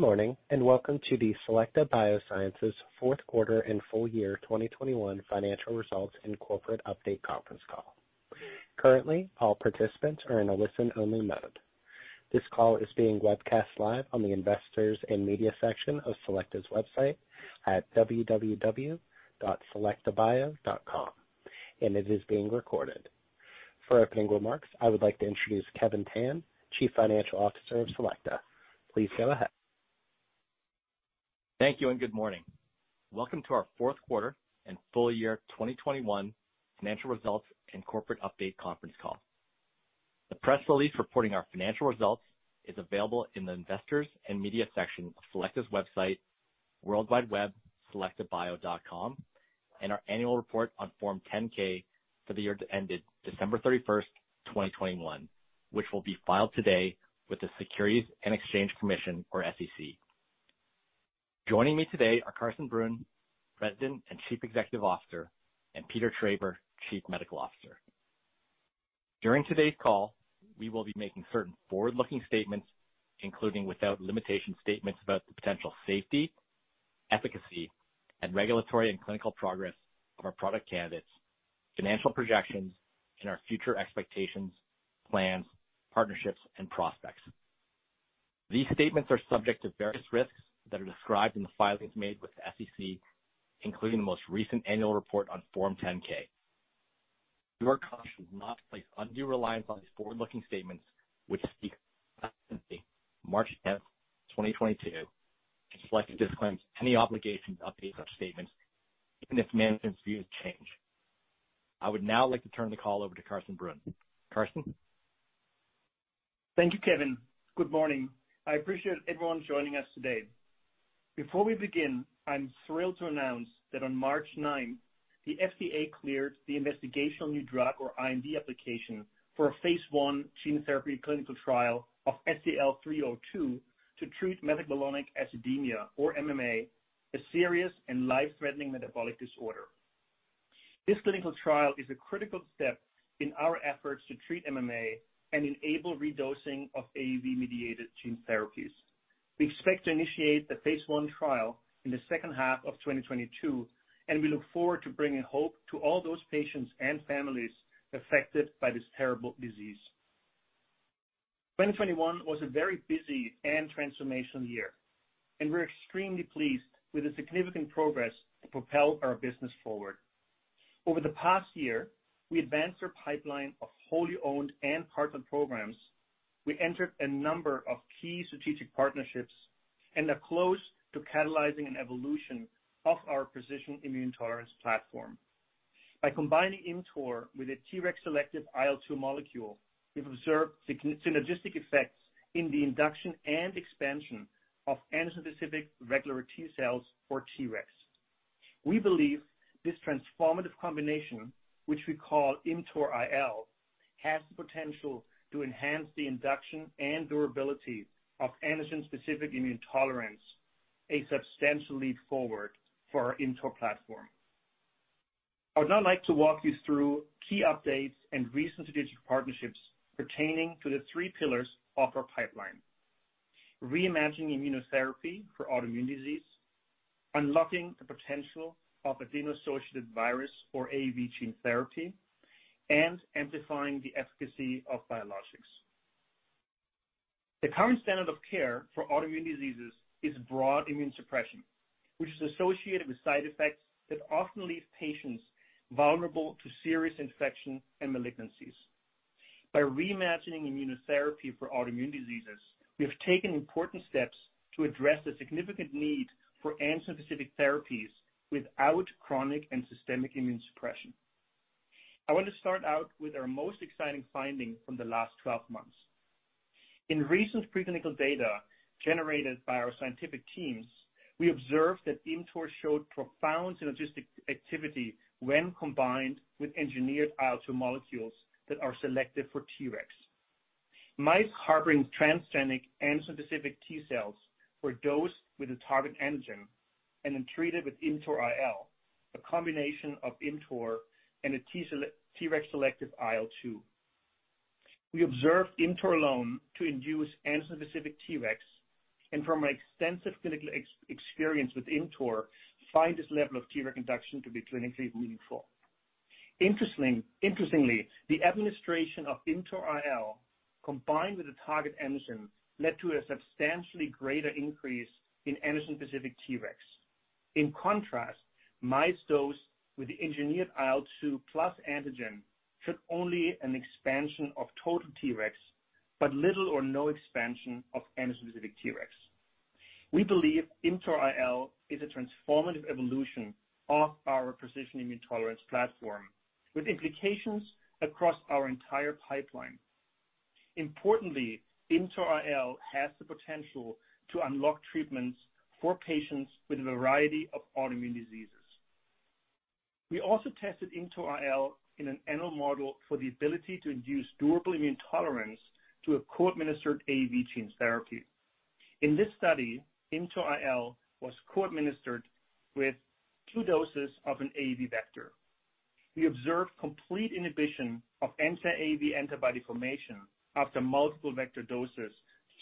Good morning, and welcome to the Selecta Biosciences fourth quarter and full year 2021 financial results and corporate update conference call. Currently, all participants are in a listen-only mode. This call is being webcast live on the Investors and Media section of Selecta's website at www.selectabio.com, and it is being recorded. For opening remarks, I would like to introduce Kevin Tan, Chief Financial Officer of Selecta. Please go ahead. Thank you and good morning. Welcome to our fourth quarter and full year 2021 financial results and corporate update conference call. The press release reporting our financial results is available in the Investors and Media section of Selecta's website, www.selectabio.com, and our annual report on Form 10-K for the year that ended December 31, 2021, which will be filed today with the Securities and Exchange Commission, or SEC. Joining me today are Carsten Bruhn, President and Chief Executive Officer, and Peter Traber, Chief Medical Officer. During today's call, we will be making certain forward-looking statements, including, without limitation, statements about the potential safety, efficacy, and regulatory and clinical progress of our product candidates, financial projections, and our future expectations, plans, partnerships, and prospects. These statements are subject to various risks that are described in the filings made with the SEC, including the most recent annual report on Form 10-K. You are cautioned to not place undue reliance on these forward-looking statements, which speak as of March 10, 2022. Selecta disclaims any obligation to update such statements even if management's views change. I would now like to turn the call over to Carsten Bruhn. Carsten. Thank you, Kevin. Good morning. I appreciate everyone joining us today. Before we begin, I'm thrilled to announce that on March ninth, the FDA cleared the investigational new drug or IND application for a phase I gene therapy clinical trial of SEL-302 to treat methylmalonic acidemia or MMA, a serious and life-threatening metabolic disorder. This clinical trial is a critical step in our efforts to treat MMA and enable redosing of AAV-mediated gene therapies. We expect to initiate the phase I trial in the second half of 2022, and we look forward to bringing hope to all those patients and families affected by this terrible disease. 2021 was a very busy and transformational year, and we're extremely pleased with the significant progress to propel our business forward. Over the past year, we advanced our pipeline of wholly owned and partnered programs. We entered a number of key strategic partnerships and are close to catalyzing an evolution of our precision immune tolerance platform. By combining ImmTOR with a Treg-selective IL-2 molecule, we've observed synergistic effects in the induction and expansion of antigen-specific regulatory T-cells or Treg. We believe this transformative combination, which we call ImmTOR-IL, has the potential to enhance the induction and durability of antigen-specific immune tolerance, a substantial leap forward for our ImmTOR platform. I would now like to walk you through key updates and recent strategic partnerships pertaining to the three pillars of our pipeline: reimagining immunotherapy for autoimmune disease, unlocking the potential of adeno-associated virus or AAV gene therapy, and amplifying the efficacy of biologics. The current standard of care for autoimmune diseases is broad immune suppression, which is associated with side effects that often leave patients vulnerable to serious infection and malignancies. By reimagining immunotherapy for autoimmune diseases, we have taken important steps to address the significant need for antigen-specific therapies without chronic and systemic immune suppression. I want to start out with our most exciting finding from the last 12 months. In recent preclinical data generated by our scientific teams, we observed that ImmTOR showed profound synergistic activity when combined with engineered IL-2 molecules that are selective for Treg. Mice harboring transgenic antigen-specific T-cells were dosed with a target antigen and then treated with ImmTOR-IL, a combination of ImmTOR and a Treg selective IL-2. We observed ImmTOR alone to induce antigen-specific Treg, and from an extensive clinical experience with ImmTOR, find this level of Treg induction to be clinically meaningful. Interestingly, the administration of ImmTOR-IL combined with a target antigen led to a substantially greater increase in antigen-specific Treg. In contrast, mice dosed with the engineered IL-2 plus antigen showed only an expansion of total Tregs, but little or no expansion of antigen-specific Tregs. We believe ImmTOR-IL is a transformative evolution of our precision immune tolerance platform, with implications across our entire pipeline. Importantly, ImmTOR-IL has the potential to unlock treatments for patients with a variety of autoimmune diseases. We also tested ImmTOR-IL in an animal model for the ability to induce durable immune tolerance to a co-administered AAV gene therapy. In this study, ImmTOR-IL was co-administered with two doses of an AAV vector. We observed complete inhibition of anti-AAV antibody formation after multiple vector doses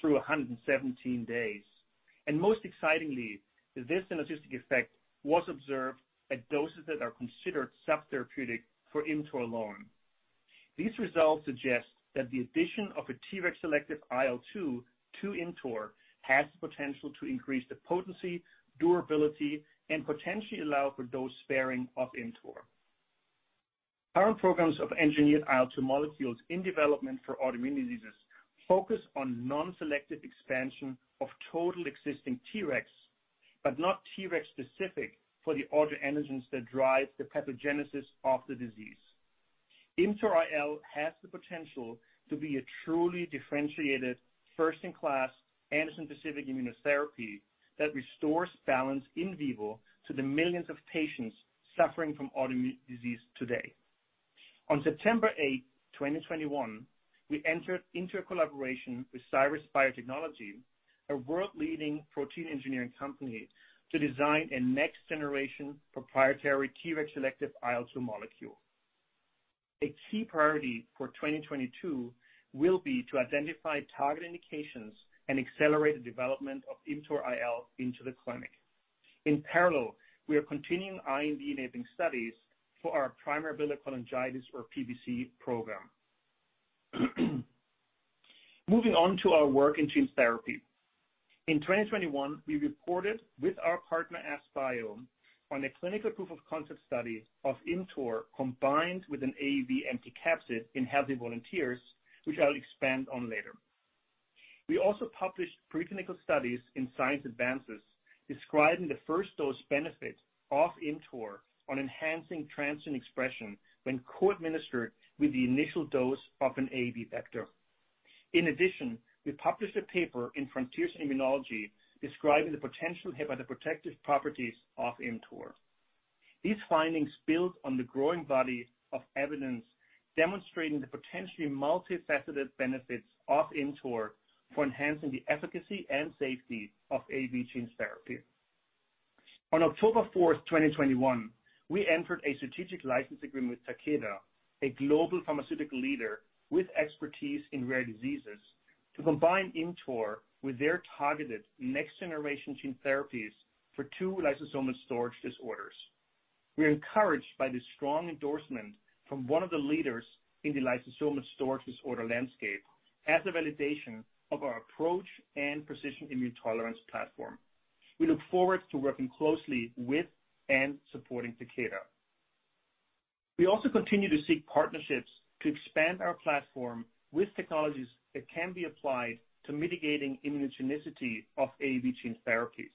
through 117 days. Most excitingly, this synergistic effect was observed at doses that are considered subtherapeutic for ImmTOR alone. These results suggest that the addition of a Treg-selective IL-2 to ImmTOR has the potential to increase the potency, durability, and potentially allow for dose sparing of ImmTOR. Our programs of engineered IL-2 molecules in development for autoimmune diseases focus on non-selective expansion of total existing Treg, but not Treg specific for the autoantigens that drive the pathogenesis of the disease. ImmTOR-IL has the potential to be a truly differentiated first-in-class antigen-specific immunotherapy that restores balance in vivo to the millions of patients suffering from autoimmune disease today. On September 8, 2021, we entered into a collaboration with Cyrus Biotechnology, a world-leading protein engineering company, to design a next-generation proprietary Treg-selective IL-2 molecule. A key priority for 2022 will be to identify target indications and accelerate the development of ImmTOR-IL into the clinic. In parallel, we are continuing IND-enabling studies for our primary biliary cholangitis or PBC program. Moving on to our work in gene therapy. In 2021, we reported with our partner, AskBio, on a clinical proof of concept study of ImmTOR combined with an AAV empty capsid in healthy volunteers, which I'll expand on later. We also published preclinical studies in Science Advances describing the first dose benefit of ImmTOR on enhancing transient expression when co-administered with the initial dose of an AAV vector. In addition, we published a paper in Frontiers in Immunology describing the potential hepatoprotective properties of ImmTOR. These findings build on the growing body of evidence demonstrating the potentially multifaceted benefits of ImmTOR for enhancing the efficacy and safety of AAV gene therapy. On October 4, 2021, we entered a strategic license agreement with Takeda, a global pharmaceutical leader with expertise in rare diseases, to combine ImmTOR with their targeted next-generation gene therapies for two lysosomal storage disorders. We're encouraged by the strong endorsement from one of the leaders in the lysosomal storage disorder landscape as a validation of our approach and precision immune tolerance platform. We look forward to working closely with and supporting Takeda. We also continue to seek partnerships to expand our platform with technologies that can be applied to mitigating immunogenicity of AAV gene therapies.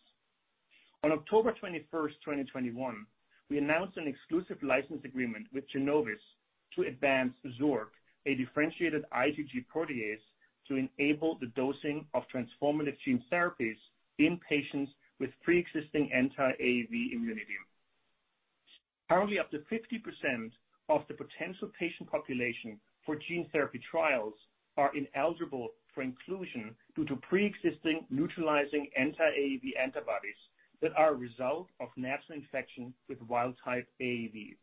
On October 21, 2021, we announced an exclusive license agreement with Genovis to advance Xork, a differentiated IgG protease to enable the dosing of transformative gene therapies in patients with pre-existing anti-AAV immunity. Currently, up to 50% of the potential patient population for gene therapy trials are ineligible for inclusion due to pre-existing neutralizing anti-AAV antibodies that are a result of natural infection with wild type AAV.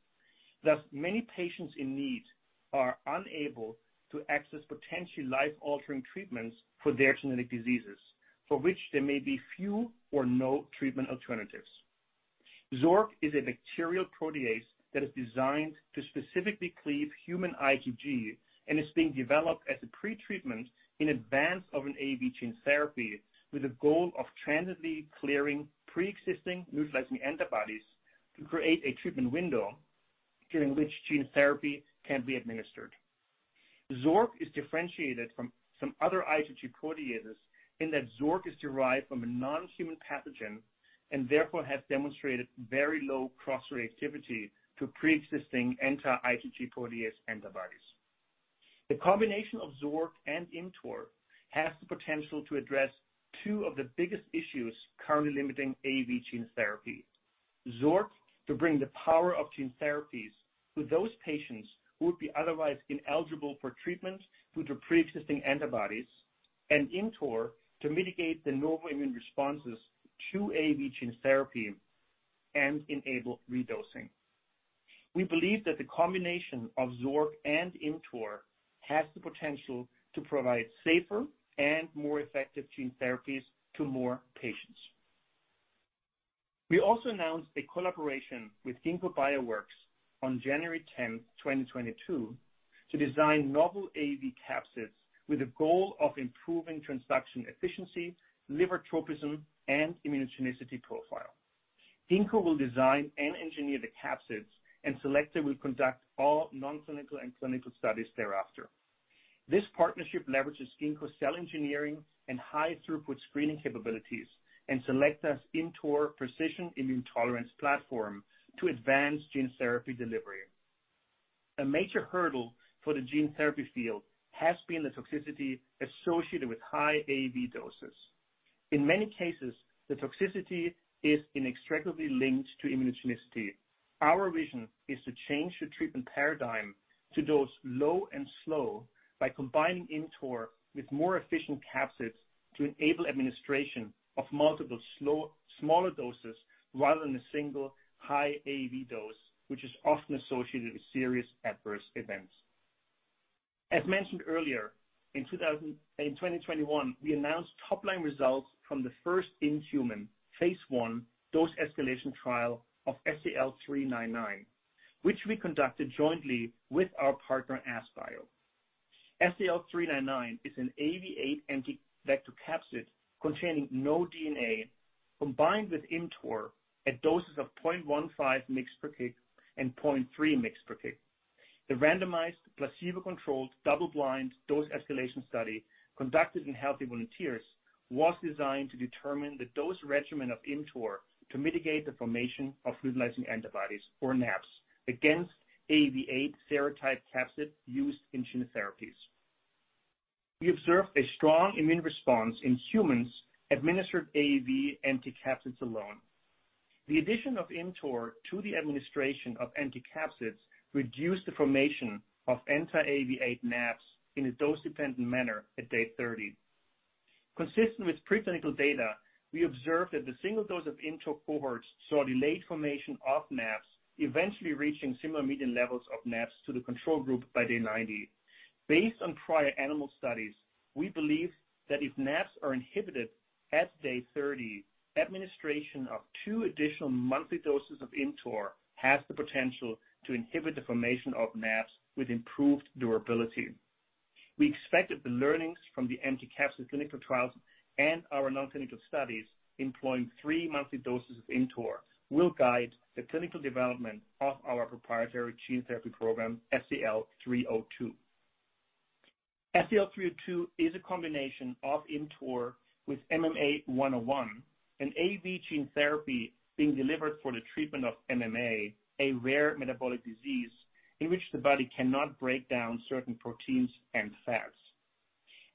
Thus, many patients in need are unable to access potentially life-altering treatments for their genetic diseases, for which there may be few or no treatment alternatives. Xork is a bacterial protease that is designed to specifically cleave human IgG and is being developed as a pretreatment in advance of an AAV gene therapy with the goal of transiently clearing pre-existing neutralizing antibodies to create a treatment window during which gene therapy can be administered. Xork is differentiated from other IgG proteases in that Xork is derived from a non-human pathogen and therefore has demonstrated very low cross-reactivity to pre-existing anti-IgG protease antibodies. The combination of Xork and ImmTOR has the potential to address two of the biggest issues currently limiting AAV gene therapy. Xork, to bring the power of gene therapies to those patients who would be otherwise ineligible for treatment due to pre-existing antibodies, and ImmTOR to mitigate the normal immune responses to AAV gene therapy and enable redosing. We believe that the combination of Xork and ImmTOR has the potential to provide safer and more effective gene therapies to more patients. We also announced a collaboration with Ginkgo Bioworks on January 10, 2022, to design novel AAV capsids with the goal of improving transduction efficiency, liver tropism, and immunogenicity profile. Ginkgo will design and engineer the capsids, and Selecta will conduct all non-clinical and clinical studies thereafter. This partnership leverages Ginkgo's cell engineering and high-throughput screening capabilities and Selecta's ImmTOR precision immune tolerance platform to advance gene therapy delivery. A major hurdle for the gene therapy field has been the toxicity associated with high AAV doses. In many cases, the toxicity is inextricably linked to immunogenicity. Our vision is to change the treatment paradigm to dose low and slow by combining ImmTOR with more efficient capsids to enable administration of multiple smaller doses rather than a single high AAV dose, which is often associated with serious adverse events. As mentioned earlier, in 2021, we announced top-line results from the first in human phase I dose escalation trial of SEL-399, which we conducted jointly with our partner, AskBio. SEL-399 is an AAV8 anti-vector capsid containing no DNA, combined with ImmTOR at doses of 0.15 mg/kg and 0.3 mg/kg. The randomized, placebo-controlled, double-blind dose escalation study conducted in healthy volunteers was designed to determine the dose regimen of ImmTOR to mitigate the formation of neutralizing antibodies, or NAB, against AAV8 serotype capsid used in gene therapies. We observed a strong immune response in humans administered AAV anti-capsids alone. The addition of ImmTOR to the administration of anti-capsids reduced the formation of anti-AAV8 NABs in a dose-dependent manner at day 30. Consistent with preclinical data, we observed that the single dose of ImmTOR cohorts saw delayed formation of NABs, eventually reaching similar median levels of NABs to the control group by day 90. Based on prior animal studies, we believe that if NABs are inhibited at day 30, administration of two additional monthly doses of ImmTOR has the potential to inhibit the formation of NABs with improved durability. We expect that the learnings from the anti-capsid clinical trials and our non-clinical studies employing three monthly doses of ImmTOR will guide the clinical development of our proprietary gene therapy program, SEL-302. SEL-302 is a combination of ImmTOR with MMA-101, an AAV gene therapy being delivered for the treatment of MMA, a rare metabolic disease in which the body cannot break down certain proteins and fats.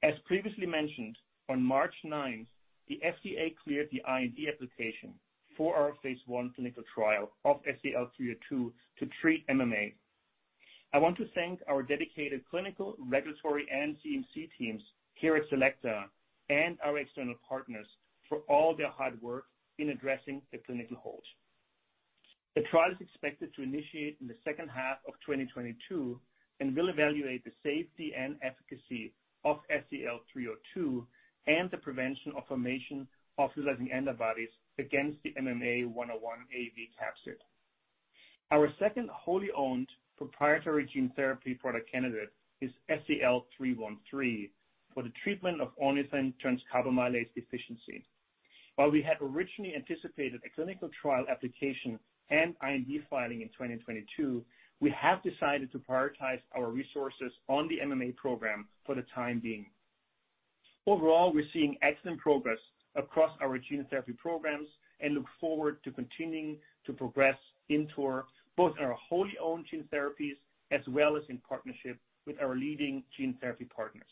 As previously mentioned, on March 9, the FDA cleared the IND application for our phase I clinical trial of SEL-302 to treat MMA. I want to thank our dedicated clinical, regulatory, and CMC teams here at Selecta and our external partners for all their hard work in addressing the clinical hold. The trial is expected to initiate in the second half of 2022 and will evaluate the safety and efficacy of SEL-302 and the prevention of formation of neutralizing antibodies against the MMA-101 AAV capsid. Our second wholly owned proprietary gene therapy product candidate is SEL-313 for the treatment of ornithine transcarbamylase deficiency. While we had originally anticipated a clinical trial application and IND filing in 2022, we have decided to prioritize our resources on the MMA program for the time being. Overall, we're seeing excellent progress across our gene therapy programs and look forward to continuing to progress ImmTOR, both in our wholly owned gene therapies as well as in partnership with our leading gene therapy partners.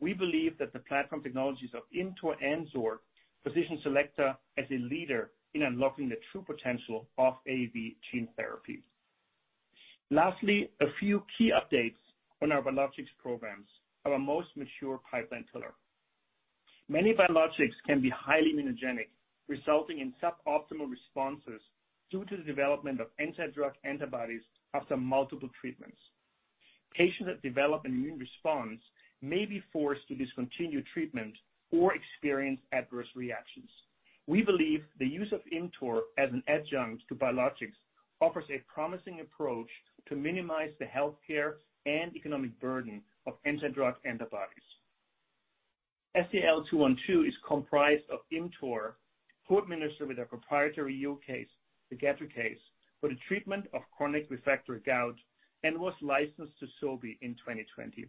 We believe that the platform technologies of ImmTOR and Xork position Selecta as a leader in unlocking the true potential of AAV gene therapy. Lastly, a few key updates on our biologics programs, our most mature pipeline pillar. Many biologics can be highly immunogenic, resulting in suboptimal responses due to the development of anti-drug antibodies after multiple treatments. Patients that develop an immune response may be forced to discontinue treatment or experience adverse reactions. We believe the use of ImmTOR as an adjunct to biologics offers a promising approach to minimize the healthcare and economic burden of anti-drug antibodies. SEL-212 is comprised of ImmTOR co-administered with our proprietary pegadricase, the pegloticase, for the treatment of chronic refractory gout and was licensed to Sobi in 2020.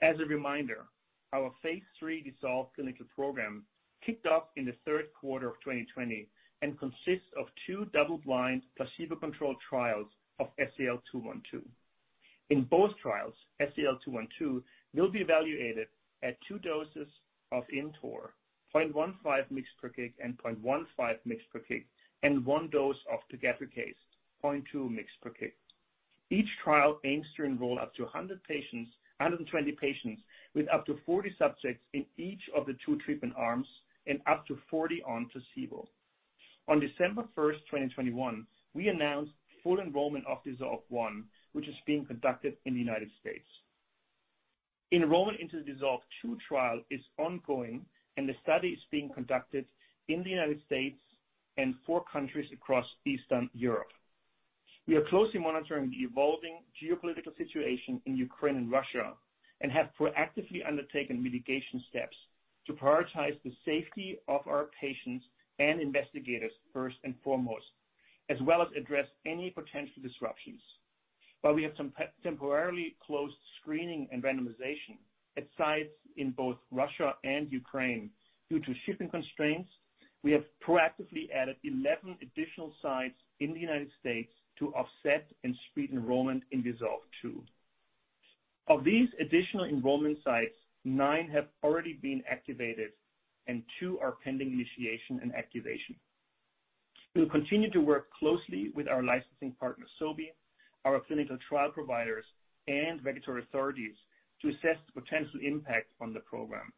As a reminder, our phase III DISSOLVE clinical program kicked off in the third quarter of 2020 and consists of two double-blind placebo-controlled trials of SEL-212. In both trials, SEL-212 will be evaluated at two doses of ImmTOR, 0.15 mg/kg and 0.15 mg/kg, and one dose of the pegadricase, 0.2 mg/kg. Each trial aims to enroll up to 120 patients with up to 40 subjects in each of the two treatment arms and up to 40 on placebo. On December 1, 2021, we announced full enrollment of DISSOLVE I, which is being conducted in the United States. Enrollment into the DISSOLVE II trial is ongoing and the study is being conducted in the United States and four countries across Eastern Europe. We are closely monitoring the evolving geopolitical situation in Ukraine and Russia and have proactively undertaken mitigation steps to prioritize the safety of our patients and investigators first and foremost, as well as address any potential disruptions. While we have some temporarily closed screening and randomization at sites in both Russia and Ukraine due to shipping constraints, we have proactively added 11 additional sites in the United States to offset and speed enrollment in DISSOLVE II. Of these additional enrollment sites, nine have already been activated and two are pending initiation and activation. We'll continue to work closely with our licensing partner, Sobi, our clinical trial providers and regulatory authorities to assess the potential impact on the program.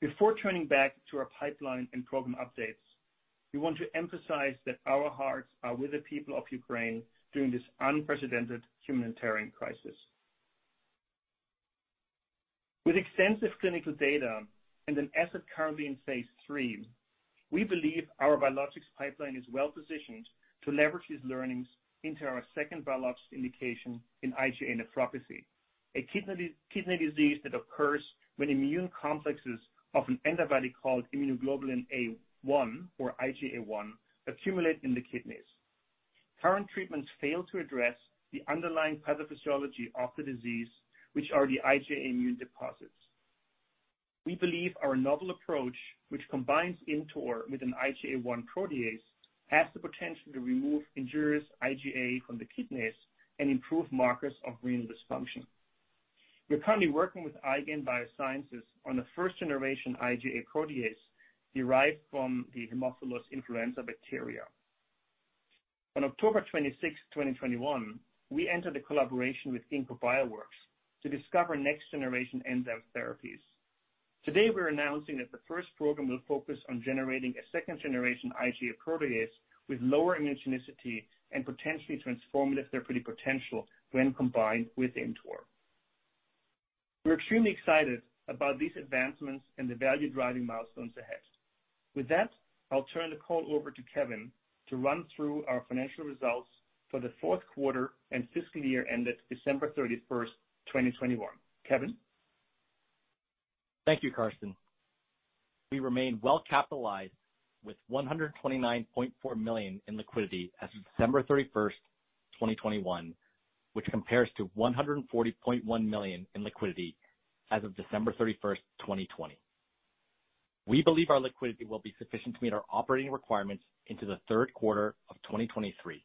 Before turning back to our pipeline and program updates, we want to emphasize that our hearts are with the people of Ukraine during this unprecedented humanitarian crisis. With extensive clinical data and an asset currently in phase III, we believe our biologics pipeline is well-positioned to leverage these learnings into our second biologics indication in IgA nephropathy, a kidney disease that occurs when immune complexes of an antibody called immunoglobulin A1 or IgA1 accumulate in the kidneys. Current treatments fail to address the underlying pathophysiology of the disease, which are the IgA immune deposits. We believe our novel approach, which combines ImmTOR with an IgA1 protease, has the potential to remove injurious IgA from the kidneys and improve markers of renal dysfunction. We're currently working with IGAN Biosciences on the first generation IgA protease derived from the Haemophilus influenzae bacteria. On October 26, 2021, we entered a collaboration with Ginkgo Bioworks to discover next generation enzyme therapies. Today, we're announcing that the first program will focus on generating a second generation IgA protease with lower immunogenicity and potentially transformative therapeutic potential when combined with ImmTOR. We're extremely excited about these advancements and the value-driving milestones ahead. With that, I'll turn the call over to Kevin to run through our financial results for the fourth quarter and fiscal year ended December 31, 2021. Kevin? Thank you, Carsten. We remain well capitalized with $129.4 million in liquidity as of December 31, 2021, which compares to $140.1 million in liquidity as of December 31, 2020. We believe our liquidity will be sufficient to meet our operating requirements into the third quarter of 2023.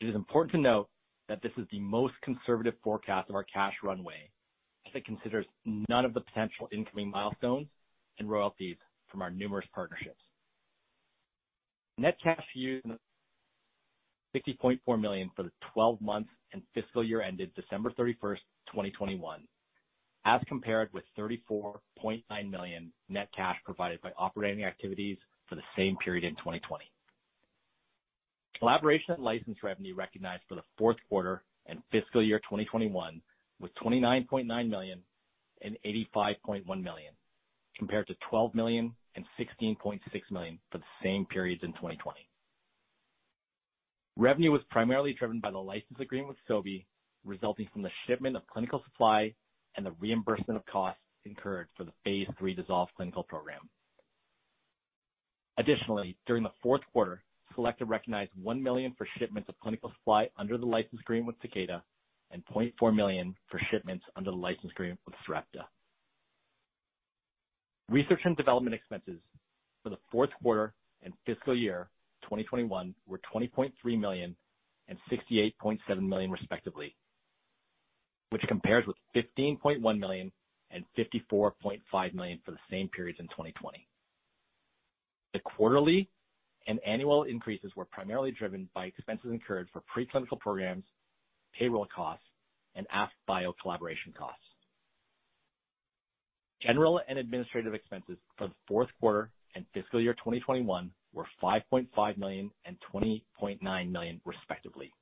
It is important to note that this is the most conservative forecast of our cash runway, as it considers none of the potential incoming milestones and royalties from our numerous partnerships. Net cash used $60.4 million for the 12 months and fiscal year ended December 31, 2021, as compared with $34.9 million net cash provided by operating activities for the same period in 2020. Collaboration and license revenue recognized for the fourth quarter and fiscal year 2021 with $29.9 million and $85.1 million, compared to $12 million and $16.6 million for the same periods in 2020. Revenue was primarily driven by the license agreement with Sobi, resulting from the shipment of clinical supply and the reimbursement of costs incurred for the phase III DISSOLVE clinical program. Additionally, during the fourth quarter, Selecta recognized $1 million for shipments of clinical supply under the license agreement with Takeda and $0.4 million for shipments under the license agreement with Sarepta. Research and development expenses for the fourth quarter and fiscal year 2021 were $20.3 million and $68.7 million, respectively, which compares with $15.1 million and $54.5 million for the same periods in 2020. The quarterly and annual increases were primarily driven by expenses incurred for pre-clinical programs, payroll costs, and AskBio collaboration costs. General and administrative expenses for the fourth quarter and fiscal year 2021 were $5.5 million and $20.9 million, respectively,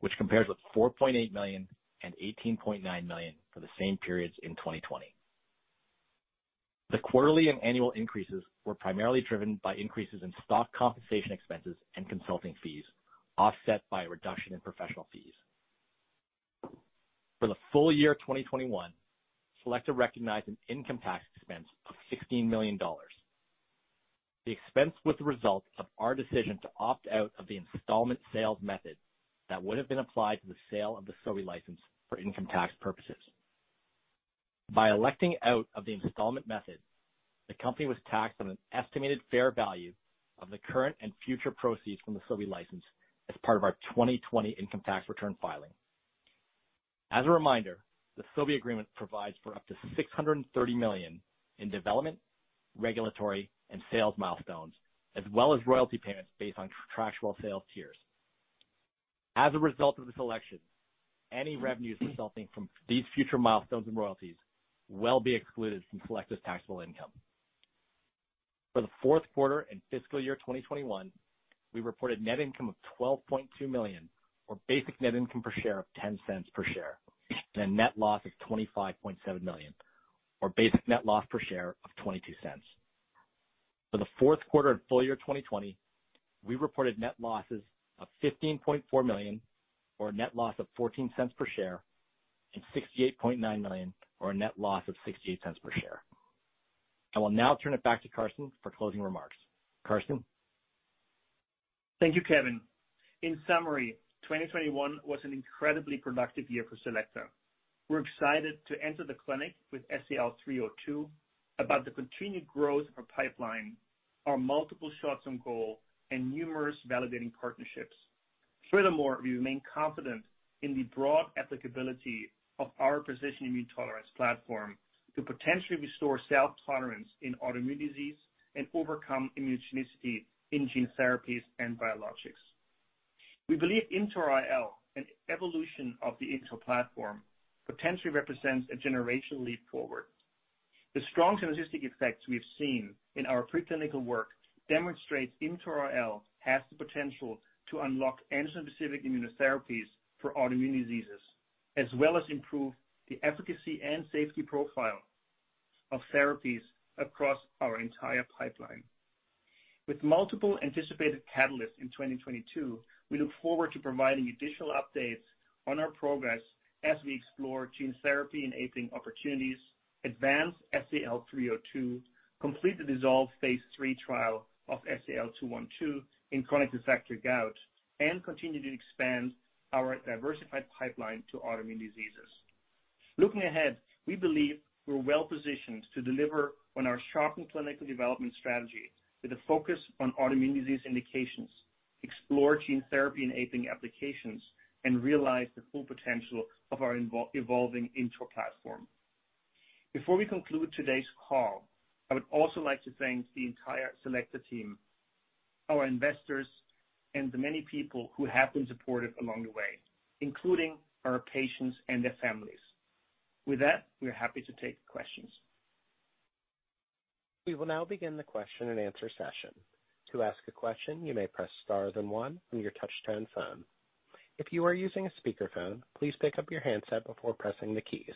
which compares with $4.8 million and $18.9 million for the same periods in 2020. The quarterly and annual increases were primarily driven by increases in stock compensation expenses and consulting fees, offset by a reduction in professional fees. For the full year 2021, Selecta recognized an income tax expense of $16 million. The expense was the result of our decision to opt out of the installment sales method that would have been applied to the sale of the Sobi license for income tax purposes. By electing out of the installment method, the company was taxed on an estimated fair value of the current and future proceeds from the Sobi license as part of our 2020 income tax return filing. As a reminder, the Sobi agreement provides for up to $630 million in development, regulatory and sales milestones, as well as royalty payments based on contractual sales tiers. As a result of the selection, any revenues resulting from these future milestones and royalties will be excluded from Selecta's taxable income. For the fourth quarter and fiscal year 2021, we reported net income of $12.2 million or basic net income per share of $0.10 per share, and a net loss of $25.7 million or basic net loss per share of $0.22. For the fourth quarter and full year 2020, we reported net losses of $15.4 million or a net loss of 14 cents per share, and $68.9 million or a net loss of 68 cents per share. I will now turn it back to Carsten for closing remarks. Carsten? Thank you, Kevin. In summary, 2021 was an incredibly productive year for Selecta. We're excited to enter the clinic with SEL-302 about the continued growth of our pipeline, our multiple shots on goal and numerous validating partnerships. Furthermore, we remain confident in the broad applicability of our precision immune tolerance platform to potentially restore self-tolerance in autoimmune disease and overcome immunogenicity in gene therapies and biologics. We believe ImmTOR-IL, an evolution of the ImmTOR platform, potentially represents a generational leap forward. The strong synergistic effects we've seen in our preclinical work demonstrates ImmTOR-IL has the potential to unlock antigen-specific immunotherapies for autoimmune diseases, as well as improve the efficacy and safety profile of therapies across our entire pipeline. With multiple anticipated catalysts in 2022, we look forward to providing additional updates on our progress as we explore gene therapy enabling opportunities, advance SEL-302, complete the DISSOLVE phase III trial of SEL-212 in chronic refractory gout, and continue to expand our diversified pipeline to autoimmune diseases. Looking ahead, we believe we're well-positioned to deliver on our sharpened clinical development strategy with a focus on autoimmune disease indications, explore gene therapy enabling applications, and realize the full potential of our evolving ImmTOR platform. Before we conclude today's call, I would also like to thank the entire Selecta team, our investors, and the many people who have been supportive along the way, including our patients and their families. With that, we are happy to take questions. We will now begin the question-and-answer session. To ask a question, you may press star then one on your touch-tone phone. If you are using a speakerphone, please pick up your handset before pressing the keys.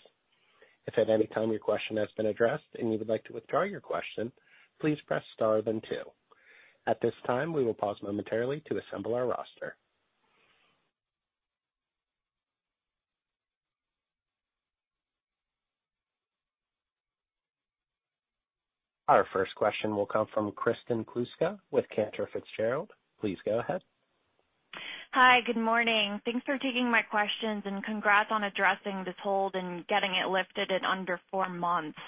If at any time your question has been addressed and you would like to withdraw your question, please press star then two. At this time, we will pause momentarily to assemble our roster. Our first question will come from Kristen Kluska with Cantor Fitzgerald. Please go ahead. Hi. Good morning. Thanks for taking my questions, and congrats on addressing this hold and getting it lifted in under four months.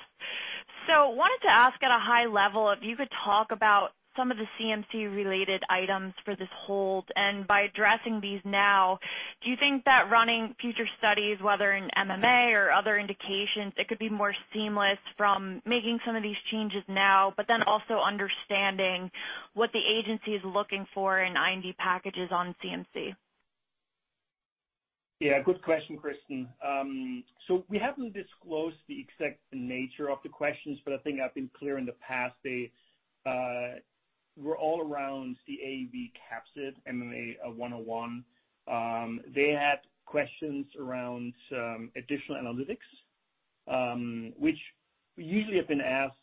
Wanted to ask at a high level if you could talk about some of the CMC-related items for this hold. By addressing these now, do you think that running future studies, whether in MMA or other indications, it could be more seamless from making some of these changes now, but then also understanding what the agency is looking for in IND packages on CMC? Yeah, good question, Kristin. So we haven't disclosed the exact nature of the questions, but I think I've been clear in the past, they were all around the AAV capsid MMA 101. They had questions around some additional analytics, which we usually have been asked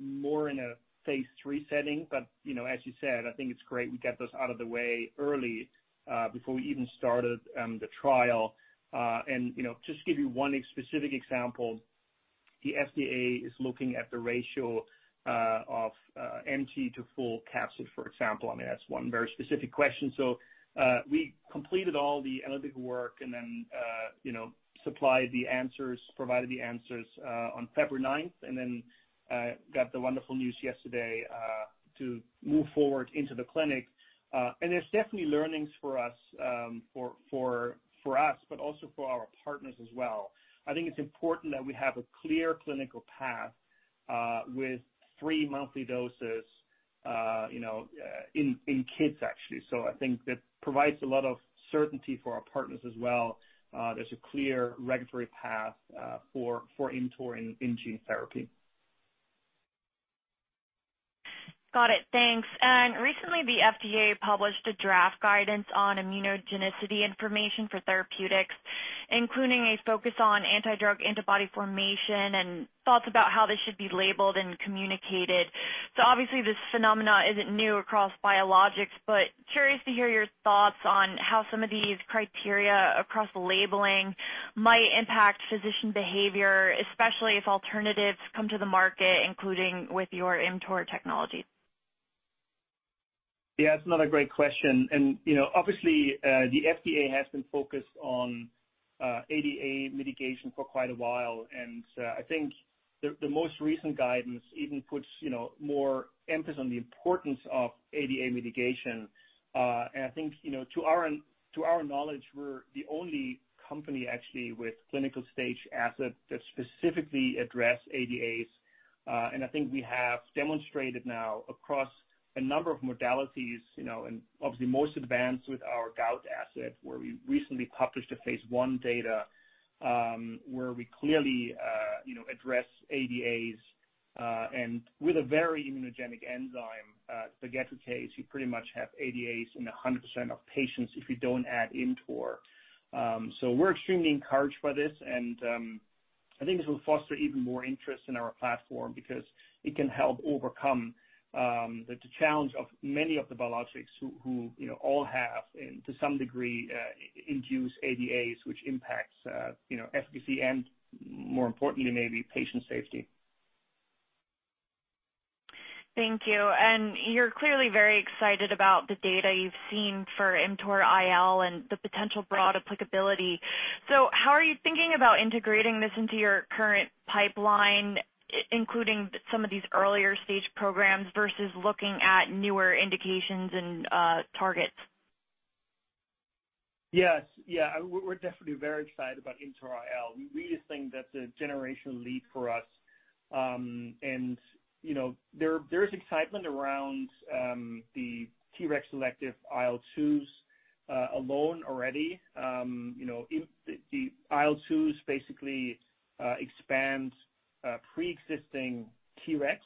more in a phase III setting. You know, as you said, I think it's great we get those out of the way early before we even started the trial. You know, just to give you one specific example, the FDA is looking at the ratio of empty to full capsid, for example. I mean, that's one very specific question. We completed all the analytical work and then, you know, supplied the answers, provided the answers, on February ninth, and then got the wonderful news yesterday to move forward into the clinic. There's definitely learnings for us, but also for our partners as well. I think it's important that we have a clear clinical path with three monthly doses, you know, in kids, actually. I think that provides a lot of certainty for our partners as well. There's a clear regulatory path for ImmTOR in gene therapy. Got it. Thanks. Recently, the FDA published a draft guidance on immunogenicity information for therapeutics, including a focus on anti-drug antibody formation and thoughts about how this should be labeled and communicated. Obviously, this phenomena isn't new across biologics, but I'm curious to hear your thoughts on how some of these criteria across labeling might impact physician behavior, especially if alternatives come to the market, including with your ImmTOR technology. Yeah, it's another great question. You know, obviously, the FDA has been focused on ADA mitigation for quite a while. I think the most recent guidance even puts, you know, more emphasis on the importance of ADA mitigation. I think, you know, to our knowledge, we're the only company actually with clinical-stage assets that specifically address ADAs. I think we have demonstrated now across a number of modalities, you know, and obviously most advanced with our gout asset, where we recently published phase I data, where we clearly, you know, address ADAs, and with a very immunogenic enzyme, pegadricase, you pretty much have ADAs in 100% of patients if you don't add ImmTOR. We're extremely encouraged by this, and I think this will foster even more interest in our platform because it can help overcome the challenge of many of the biologics who you know all have, and to some degree induce ADAs, which impacts you know efficacy and more importantly maybe patient safety. Thank you. You're clearly very excited about the data you've seen for ImmTOR-IL and the potential broad applicability. How are you thinking about integrating this into your current pipeline, including some of these earlier stage programs versus looking at newer indications and targets? Yes. Yeah, we're definitely very excited about ImmTOR-IL. We really think that's a generational leap for us. You know, there is excitement around the Treg-selective IL-2s alone already. In the IL-2s basically expand pre-existing Treg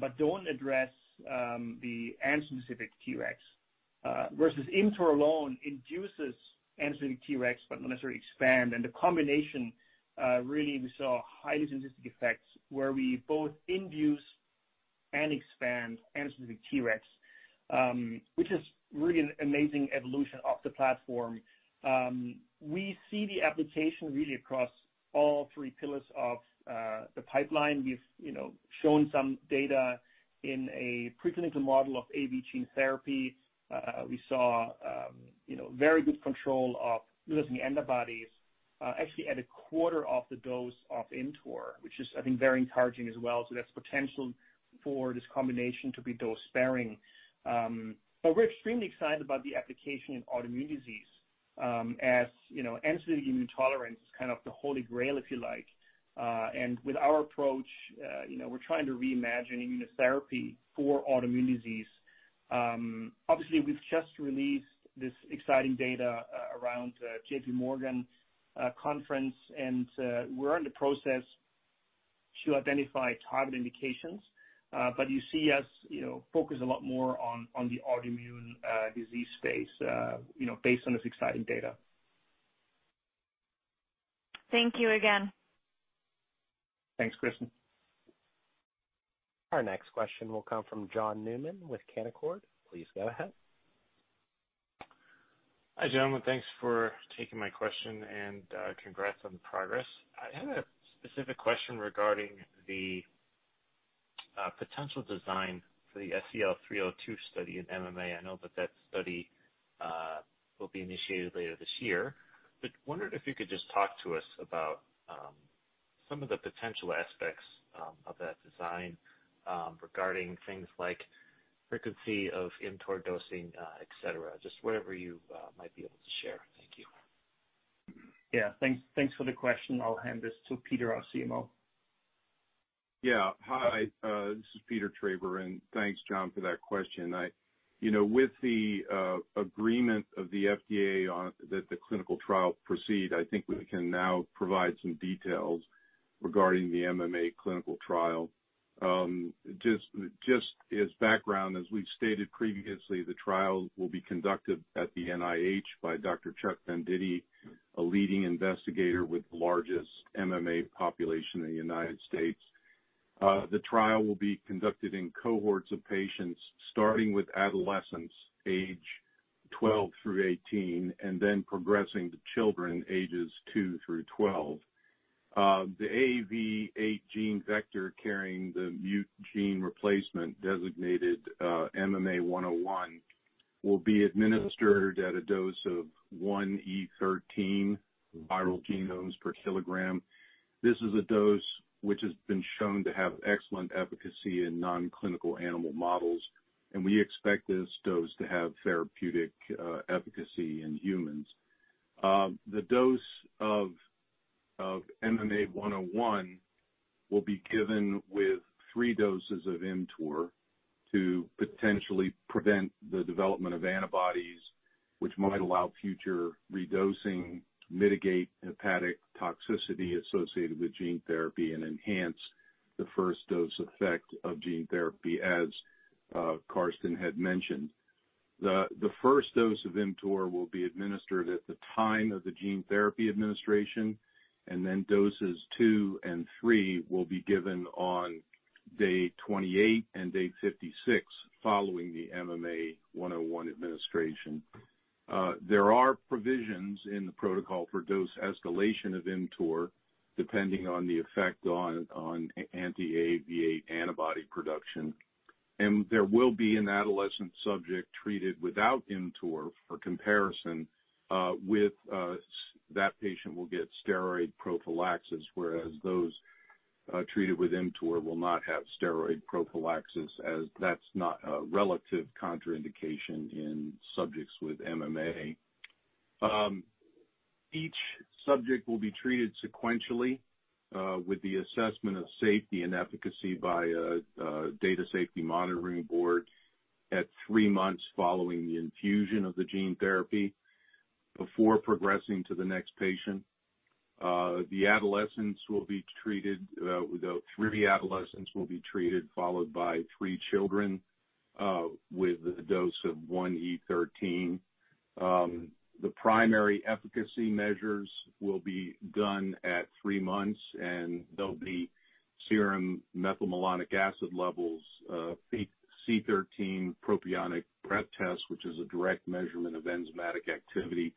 but don't address the antigen-specific Treg. Versus ImmTOR alone induces antigen-specific Treg, but not necessarily expand. The combination really we saw highly synergistic effects where we both induce and expand antigen-specific Treg, which is really an amazing evolution of the platform. We see the application really across all three pillars of the pipeline. We've shown some data in a preclinical model of AAV gene therapy. We saw, you know, very good control of using antibodies, actually at a quarter of the dose of ImmTOR, which is I think very encouraging as well. That's potential for this combination to be dose-sparing. We're extremely excited about the application in autoimmune disease, as, you know, antigen immune tolerance is kind of the holy grail, if you like. With our approach, you know, we're trying to reimagine immunotherapy for autoimmune disease. Obviously, we've just released this exciting data around JP Morgan conference, and we're in the process to identify target indications. You see us, you know, focus a lot more on the autoimmune disease space, you know, based on this exciting data. Thank you again. Thanks, Kristen. Our next question will come from John Newman with Canaccord. Please go ahead. Hi, gentlemen. Thanks for taking my question, and congrats on the progress. I had a specific question regarding the potential design for the SEL-302 study in MMA. I know that study will be initiated later this year. Wondered if you could just talk to us about some of the potential aspects of that design regarding things like frequency of ImmTOR dosing, et cetera. Just whatever you might be able to share. Thank you. Yeah. Thanks for the question. I'll hand this to Peter, our CMO. Hi, this is Peter Traber, and thanks John for that question. You know, with the agreement of the FDA on that the clinical trial proceed, I think we can now provide some details regarding the MMA clinical trial. Just as background, as we've stated previously, the trial will be conducted at the NIH by Dr. Chuck Venditti, a leading investigator with the largest MMA population in the United States. The trial will be conducted in cohorts of patients, starting with adolescents age 12 through 18, and then progressing to children ages two through 12. The AAV8 gene vector carrying the mutant gene replacement designated MMA-101 will be administered at a dose of 1E13 viral genomes per kilogram. This is a dose which has been shown to have excellent efficacy in non-clinical animal models, and we expect this dose to have therapeutic efficacy in humans. The dose of MMA-101 will be given with three doses of ImmTOR to potentially prevent the development of antibodies which might allow future redosing, mitigate hepatic toxicity associated with gene therapy, and enhance the first dose effect of gene therapy, as Carsten had mentioned. The first dose of ImmTOR will be administered at the time of the gene therapy administration, and then doses 2 and 3 will be given on day 28 and day 56 following the MMA-101 administration. There are provisions in the protocol for dose escalation of ImmTOR, depending on the effect on anti-AAV8 antibody production. There will be an adolescent subject treated without ImmTOR for comparison, with that patient will get steroid prophylaxis, whereas those treated with ImmTOR will not have steroid prophylaxis as that's not a relative contraindication in subjects with MMA. Each subject will be treated sequentially, with the assessment of safety and efficacy by a data safety monitoring board at three months following the infusion of the gene therapy before progressing to the next patient. Three adolescents will be treated, followed by three children, with a dose of 1E13. The primary efficacy measures will be done at three months, and they'll be serum methylmalonic acid levels, 13C-propionic breath test, which is a direct measurement of enzymatic activity,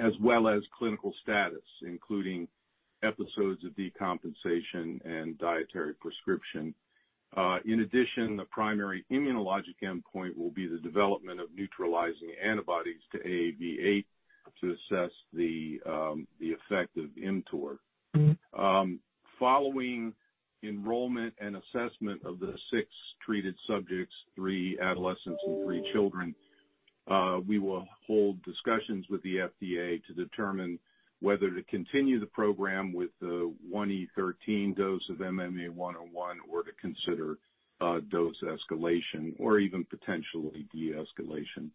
as well as clinical status, including episodes of decompensation and dietary prescription. In addition, the primary immunologic endpoint will be the development of neutralizing antibodies to AAV8. To assess the effect of ImmTOR. Mm-hmm. Following enrollment and assessment of the 6 treated subjects, three adolescents and three children, we will hold discussions with the FDA to determine whether to continue the program with the 1E13 dose of MMA-101 or to consider a dose escalation or even potentially de-escalation.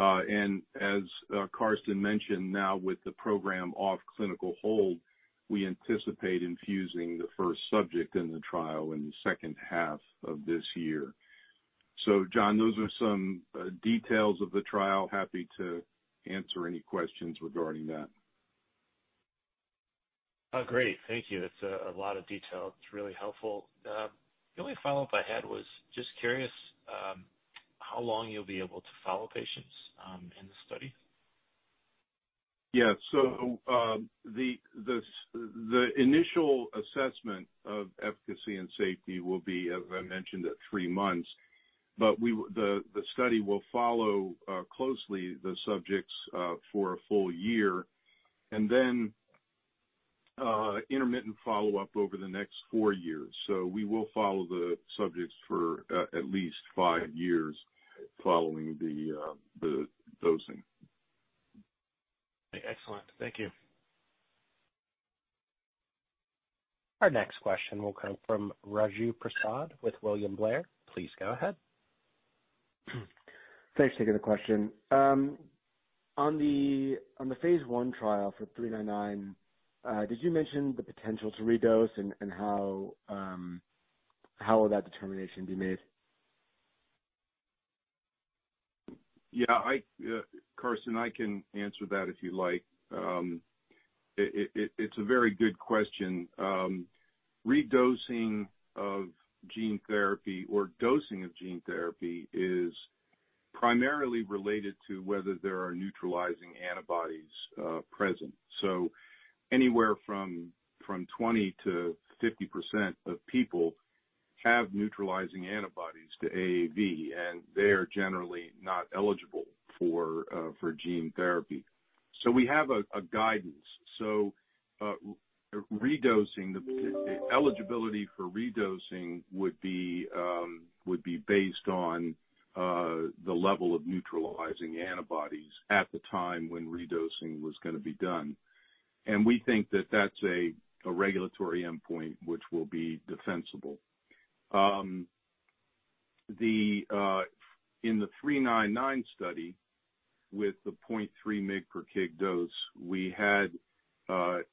As Carsten mentioned, now with the program off clinical hold, we anticipate infusing the first subject in the trial in the second half of this year. John, those are some details of the trial. Happy to answer any questions regarding that. Oh, great. Thank you. That's a lot of detail. It's really helpful. The only follow-up I had was just curious how long you'll be able to follow patients in the study. Yeah. The initial assessment of efficacy and safety will be, as I mentioned, at three months. The study will follow closely the subjects for a full year, and then, intermittent follow-up over the next four years. We will follow the subjects for at least five years following the dosing. Excellent. Thank you. Our next question will come from Raju Prasad with William Blair. Please go ahead. Thanks. Taking the question. On the phase I trial for SEL-399, did you mention the potential to redose and how will that determination be made? Yeah, Carsten, I can answer that if you'd like. It's a very good question. Redosing of gene therapy or dosing of gene therapy is primarily related to whether there are neutralizing antibodies present. Anywhere from 20%-50% of people have neutralizing antibodies to AAV, and they are generally not eligible for gene therapy. We have a guidance. Redosing eligibility for redosing would be based on the level of neutralizing antibodies at the time when redosing was gonna be done. We think that that's a regulatory endpoint which will be defensible. In the SEL-399 study, with the 0.3 mg/kg dose, we had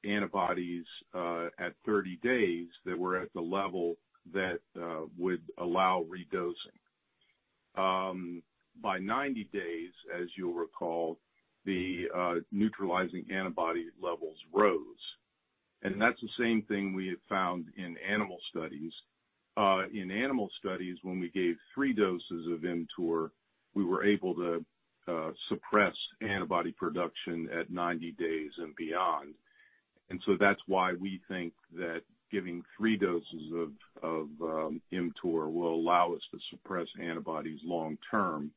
antibodies at 30 days that were at the level that would allow redosing. By 90 days, as you'll recall, neutralizing antibody levels rose. That's the same thing we have found in animal studies. In animal studies, when we gave three doses of ImmTOR, we were able to suppress antibody production at 90 days and beyond. That's why we think that giving three doses of ImmTOR will allow us to suppress antibodies long term.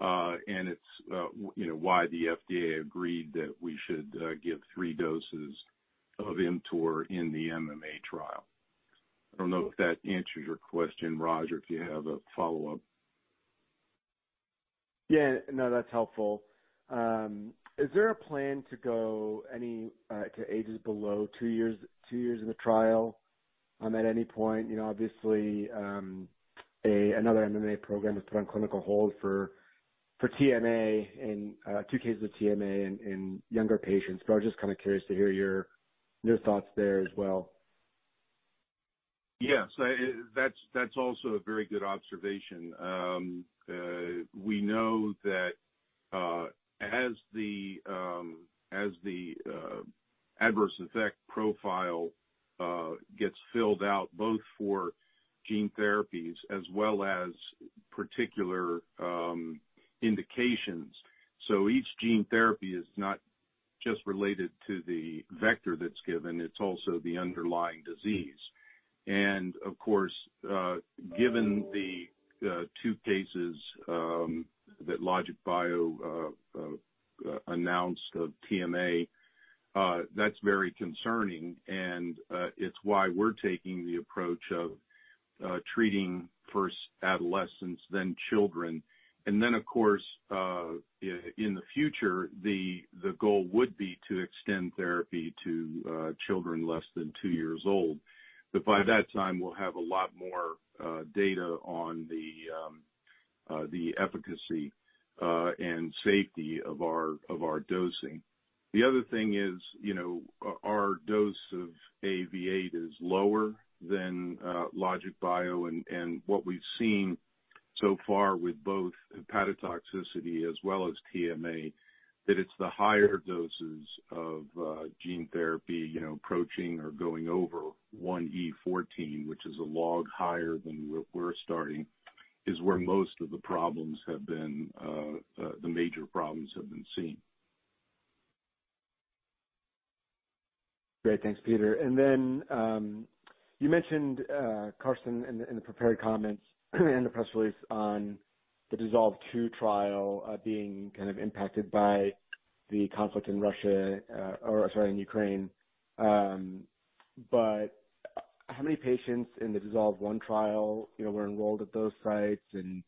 It's you know why the FDA agreed that we should give three doses of ImmTOR in the MMA trial. I don't know if that answers your question, Raju, or if you have a follow-up. Yeah, no, that's helpful. Is there a plan to go any to ages below two years in the trial at any point? You know, obviously, another MMA program is put on clinical hold for TMA in two cases of TMA in younger patients, but I was just kinda curious to hear your thoughts there as well. Yes. That's also a very good observation. We know that as the adverse effect profile gets filled out both for gene therapies as well as particular indications, so each gene therapy is not just related to the vector that's given, it's also the underlying disease. Of course, given the two cases that LogicBio announced of TMA, that's very concerning, and it's why we're taking the approach of treating first adolescents then children. Then, of course, in the future, the goal would be to extend therapy to children less than two years old. By that time, we'll have a lot more data on the efficacy and safety of our dosing. The other thing is, you know, our dose of AAV8 is lower than LogicBio and what we've seen so far with both hepatotoxicity as well as TMA, that it's the higher doses of gene therapy, you know, approaching or going over 1E14, which is a log higher than what we're starting, is where most of the problems have been, the major problems have been seen. Great. Thanks, Peter. You mentioned, Carsten, in the prepared comments and the press release on the DISSOLVE II trial, being kind of impacted by the conflict in Russia, or sorry, in Ukraine. How many patients in the DISSOLVE I trial, you know, were enrolled at those sites and,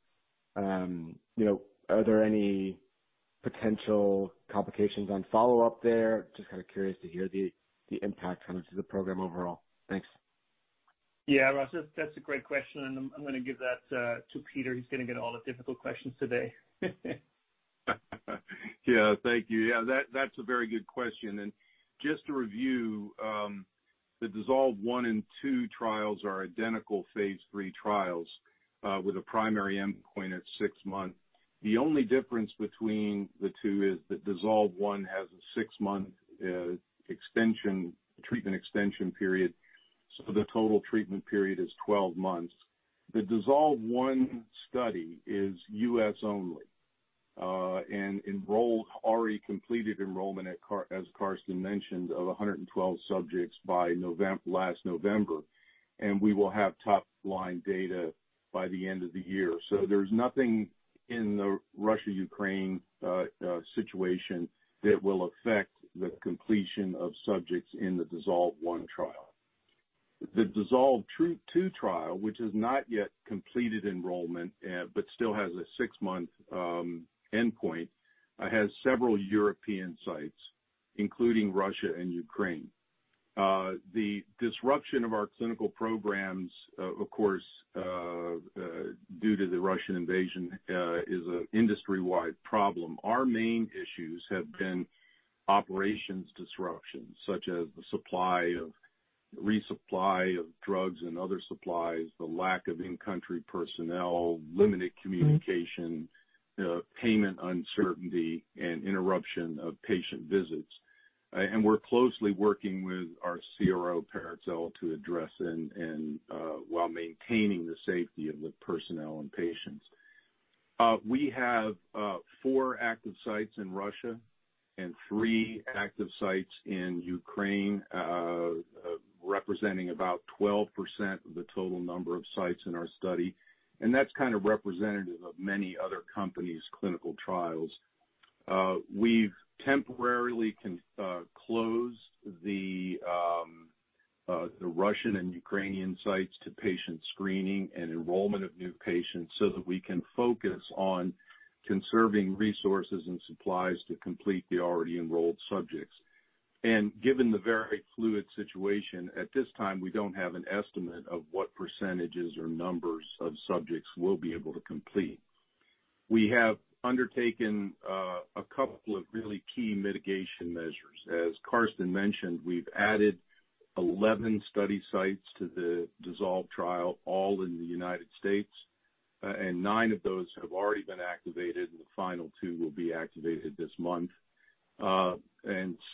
you know, are there any potential complications on follow-up there? Just kinda curious to hear the impact kind of to the program overall. Thanks. Yeah, Raju, that's a great question, and I'm gonna give that to Peter. He's gonna get all the difficult questions today. Yeah, thank you. Yeah, that's a very good question. Just to review, the DISSOLVE I and II trials are identical phase III trials with a primary endpoint at six months. The only difference between the two is that DISSOLVE I has a six-month treatment extension period, so the total treatment period is 12 months. The DISSOLVE I study is US only and already completed enrollment, as Carsten mentioned, of 112 subjects by last November. We will have top-line data by the end of the year. There's nothing in the Russia-Ukraine situation that will affect the completion of subjects in the DISSOLVE I trial. The DISSOLVE II trial, which has not yet completed enrollment, but still has a six-month endpoint, has several European sites, including Russia and Ukraine. The disruption of our clinical programs, of course, due to the Russian invasion, is an industry-wide problem. Our main issues have been operational disruptions, such as the resupply of drugs and other supplies, the lack of in-country personnel, limited communication, payment uncertainty, and interruption of patient visits. We're closely working with our CRO, Parexel, to address and while maintaining the safety of the personnel and patients. We have four active sites in Russia and three active sites in Ukraine, representing about 12% of the total number of sites in our study, and that's kind of representative of many other companies' clinical trials. We've temporarily closed the Russian and Ukrainian sites to patient screening and enrollment of new patients so that we can focus on conserving resources and supplies to complete the already enrolled subjects. Given the very fluid situation, at this time, we don't have an estimate of what percentages or numbers of subjects we'll be able to complete. We have undertaken a couple of really key mitigation measures. As Carsten mentioned, we've added 11 study sites to the DISSOLVE trial, all in the United States, and nine of those have already been activated, and the final two will be activated this month.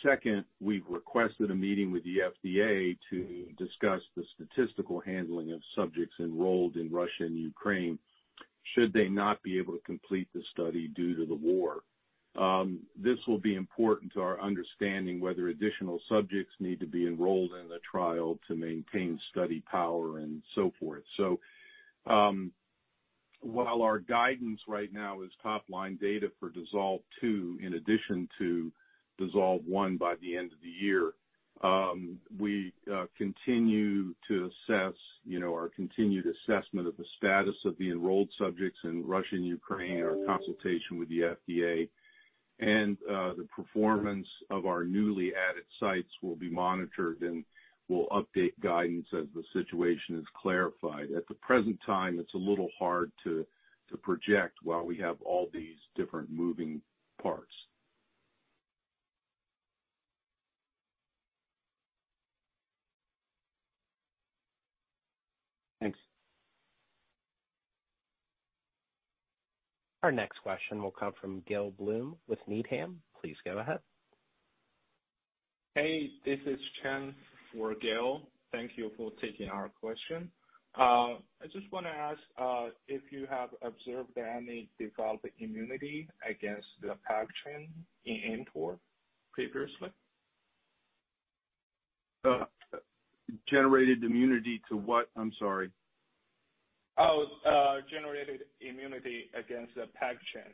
Second, we've requested a meeting with the FDA to discuss the statistical handling of subjects enrolled in Russia and Ukraine should they not be able to complete the study due to the war. This will be important to our understanding whether additional subjects need to be enrolled in the trial to maintain study power and so forth. While our guidance right now is top-line data for DISSOLVE II, in addition to DISSOLVE I, by the end of the year, we continue to assess, you know, our continued assessment of the status of the enrolled subjects in Russia and Ukraine in our consultation with the FDA. The performance of our newly added sites will be monitored, and we'll update guidance as the situation is clarified. At the present time, it's a little hard to project while we have all these different moving parts. Thanks. Our next question will come from Gil Blum with Needham. Please go ahead. Hey, this is Chen for Gil. Thank you for taking our question. I just wanna ask if you have observed any developed immunity against the PEG chain in ImmTOR previously? Generated immunity to what? I'm sorry. Generated immunity against the PEG chain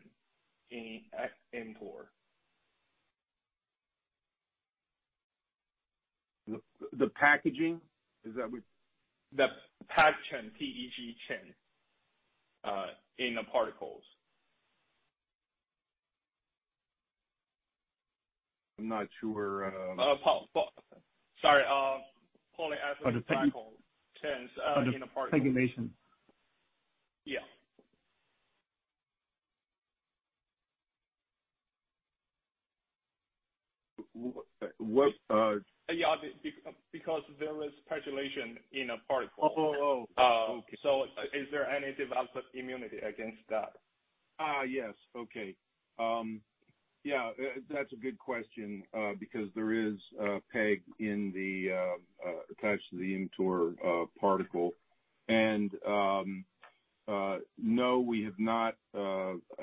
in ImmTOR. The packaging? Is that what? The PEG chain, P-E-G chain, in the particles. I'm not sure. Sorry, polyethylene glycol chains in a particle. PEGylation. Yeah. W-what, uh- Yeah, because there is PEGylation in a particle. Okay. Is there any developed immunity against that? Yes. Okay. That's a good question, because there is PEG in the Attached to the ImmTOR particle. No, we have not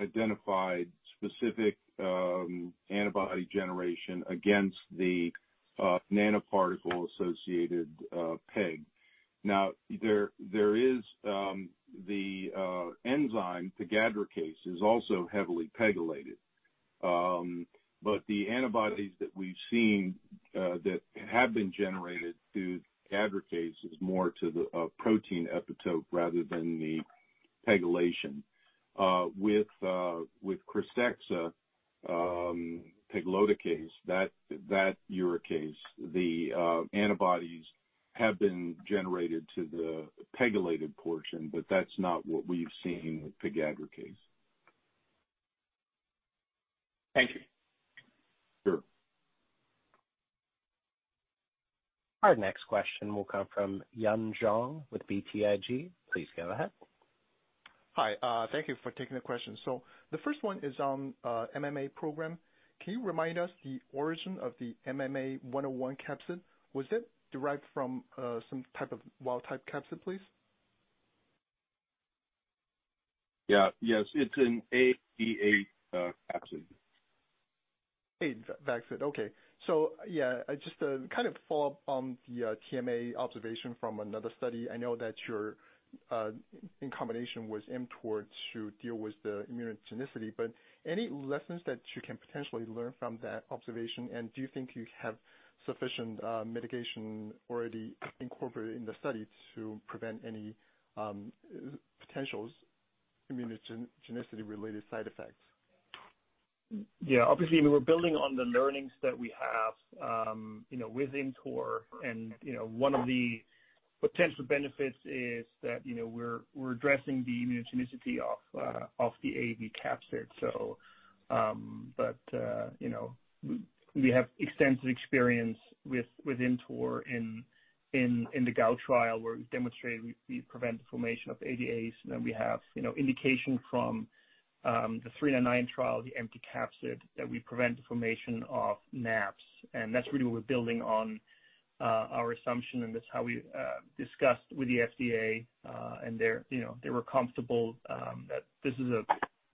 identified specific antibody generation against the nanoparticle-associated PEG. Now, there is the enzyme pegadricase is also heavily PEGylated. But the antibodies that we've seen that have been generated against pegadricase is more to the protein epitope rather than the PEGylation. With KRYSTEXXA, pegloticase, that uricase, the antibodies have been generated to the PEGylated portion, but that's not what we've seen with pegadricase. Thank you. Sure. Our next question will come from Yun Zhong with BTIG. Please go ahead. Hi, thank you for taking the question. The first one is on MMA program. Can you remind us the origin of the MMA-101 capsid? Was it derived from some type of wild type capsid, please? Yeah. Yes. It's an AAV8 capsid. AAV8 capsid. Okay. Yeah, just to kind of follow up on the TMA observation from another study, I know that you're in combination with ImmTOR to deal with the immunogenicity, but any lessons that you can potentially learn from that observation, and do you think you have sufficient mitigation already incorporated in the study to prevent any potential immunogenicity related side effects? Yeah, obviously, we're building on the learnings that we have, you know, with ImmTOR, and, you know, one of the potential benefits is that, you know, we're addressing the immunogenicity of the AAV capsid. You know, we have extensive experience with ImmTOR in the gout trial where we've demonstrated we prevent the formation of ADAs, and we have, you know, indication from the 399 trial, the empty capsid, that we prevent the formation of NABs. That's really what we're building on our assumption, and that's how we discussed with the FDA, and they're, you know, they were comfortable that this is a,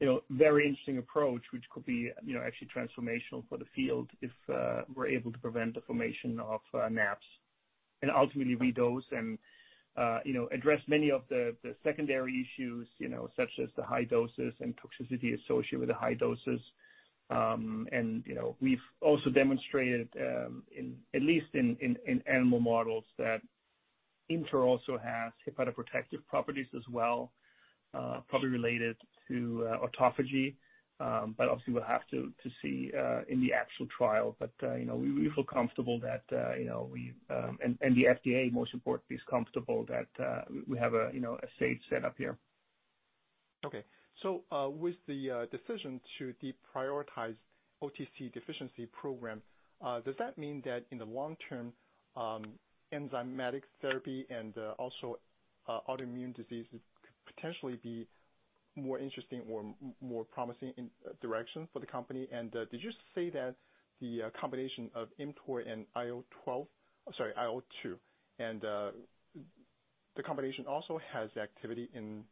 you know, very interesting approach which could be, you know, actually transformational for the field if we're able to prevent the formation of NABs and ultimately redose and, you know, address many of the secondary issues, you know, such as the high doses and toxicity associated with the high doses. You know, we've also demonstrated in at least animal models that ImmTOR also has hepatoprotective properties as well, probably related to autophagy. But obviously we'll have to see in the actual trial. You know, we feel comfortable that you know we and the FDA most importantly is comfortable that we have a you know a safe setup here. With the decision to deprioritize OTC deficiency program, does that mean that in the long term, enzymatic therapy and also autoimmune diseases could potentially be more interesting or more promising in direction for the company? Did you say that the combination of ImmTOR and IL-2 also has activity in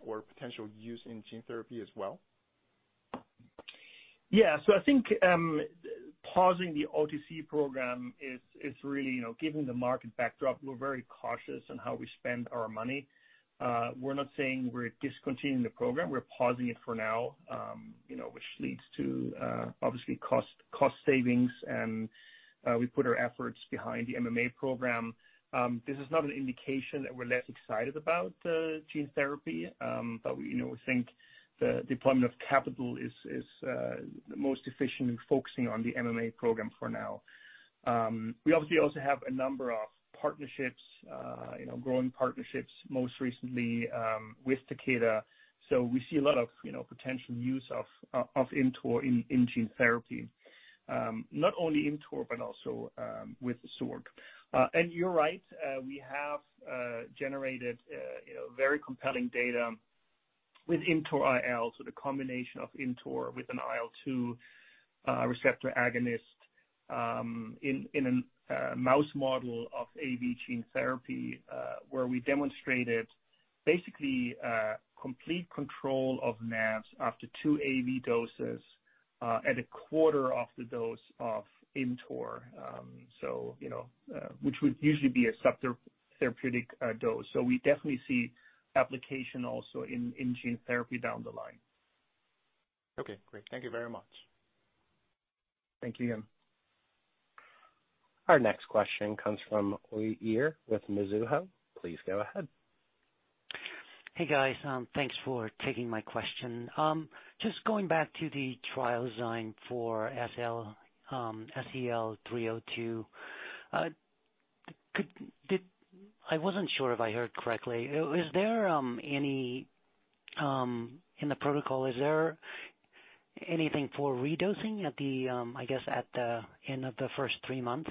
or potential use in gene therapy as well? Yeah. I think pausing the OTC program is really, you know, given the market backdrop, we're very cautious on how we spend our money. We're not saying we're discontinuing the program. We're pausing it for now, you know, which leads to obviously cost savings and we put our efforts behind the MMA program. This is not an indication that we're less excited about gene therapy. We, you know, we think the deployment of capital is most efficient in focusing on the MMA program for now. We obviously also have a number of partnerships, you know, growing partnerships most recently with Takeda. We see a lot of, you know, potential use of ImmTOR in gene therapy. Not only ImmTOR, but also with the Xork. You're right, we have generated, you know, very compelling data with ImmTOR-IL, so the combination of ImmTOR with an IL-2 receptor agonist in a mouse model of AAV gene therapy, where we demonstrated basically complete control of NABs after two AAV doses at a quarter of the dose of ImmTOR. You know, which would usually be a subtherapeutic dose. We definitely see application also in gene therapy down the line. Okay, great. Thank you very much. Thank you. Our next question comes from Uy Ear with Mizuho. Please go ahead. Hey, guys. Thanks for taking my question. Just going back to the trial design for SEL-302. I wasn't sure if I heard correctly. Is there anything in the protocol for redosing at the end of the first three months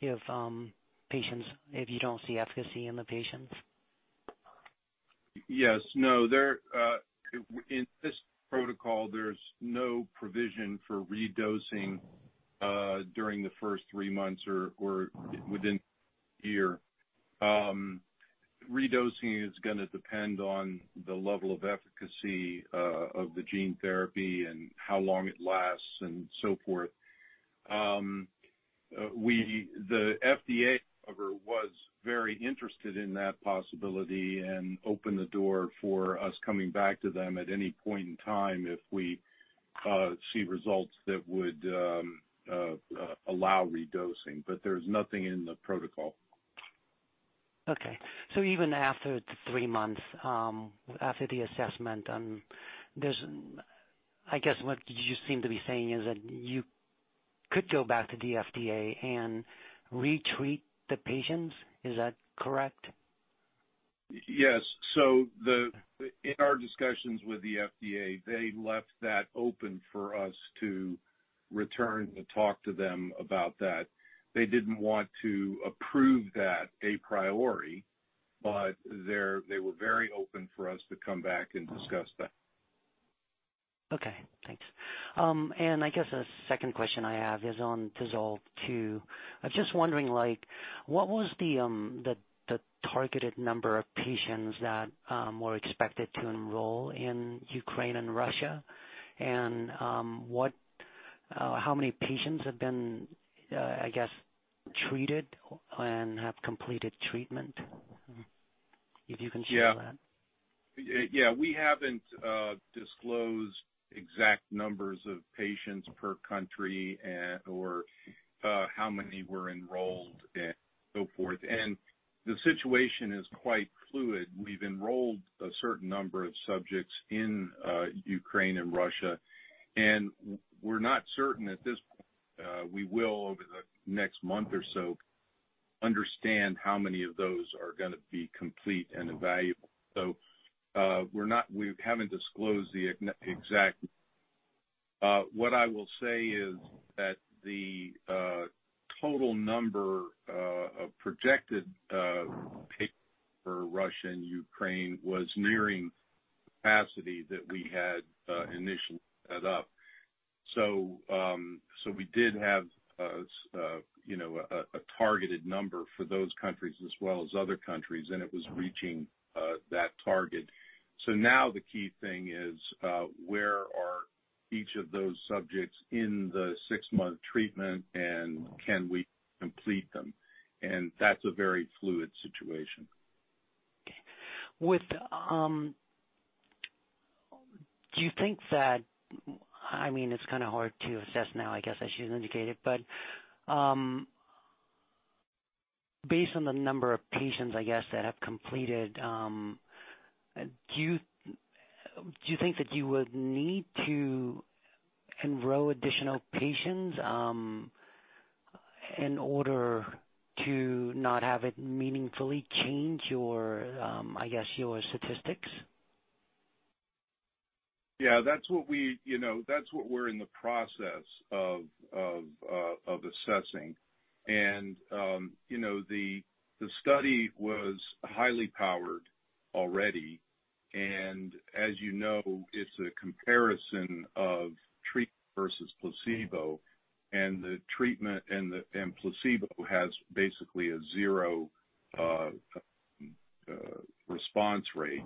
if you don't see efficacy in the patients? Yes. No, in this protocol, there's no provision for redosing during the first three months or within a year. Redosing is gonna depend on the level of efficacy of the gene therapy and how long it lasts and so forth. The FDA, however, was very interested in that possibility and opened the door for us coming back to them at any point in time if we see results that would allow redosing, but there's nothing in the protocol. Okay. Even after three months, after the assessment, I guess what you seem to be saying is that you could go back to the FDA and re-treat the patients. Is that correct? Yes. In our discussions with the FDA, they left that open for us to return to talk to them about that. They didn't want to approve that a priori, but they're, they were very open for us to come back and discuss that. Okay, thanks. I guess a second question I have is on DISSOLVE II. I was just wondering, like, what was the targeted number of patients that were expected to enroll in Ukraine and Russia? What, how many patients have been, I guess, treated and have completed treatment? If you can share that. Yeah. Yeah, we haven't disclosed exact numbers of patients per country or how many were enrolled and so forth. The situation is quite fluid. We've enrolled a certain number of subjects in Ukraine and Russia, and we're not certain at this point. We will over the next month or so understand how many of those are gonna be complete and evaluable. We haven't disclosed the exact. What I will say is that the total number of projected for Russia and Ukraine was nearing capacity that we had initially set up. We did have, you know, a targeted number for those countries as well as other countries, and it was reaching that target. Now the key thing is, where are each of those subjects in the six-month treatment and can we complete them? That's a very fluid situation. Okay. I mean, it's kinda hard to assess now, I guess, as you indicated, but based on the number of patients, I guess, that have completed, do you think that you would need to enroll additional patients in order to not have it meaningfully change your, I guess, your statistics? Yeah, that's what we're in the process of assessing. You know, the study was highly powered already. As you know, it's a comparison of treatment versus placebo, and the treatment and placebo has basically a zero response rate.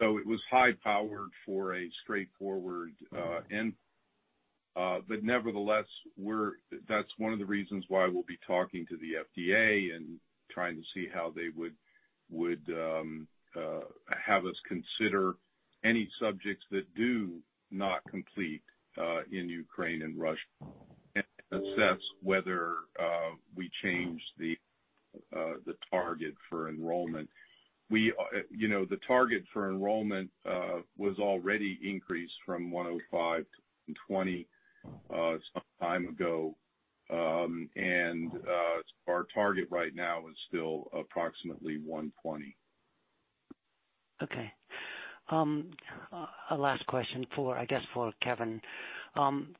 It was high-powered for a straightforward end. Nevertheless, that's one of the reasons why we'll be talking to the FDA and trying to see how they would have us consider any subjects that do not complete in Ukraine and Russia and assess whether we change the target for enrollment. You know, the target for enrollment was already increased from 105 to 120 some time ago. Our target right now is still approximately 120. Okay. A last question for, I guess, for Kevin.